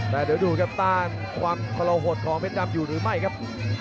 แต่เดี๋ยวดูครับต้านความทรหดของเพชรดำอยู่หรือไม่ครับ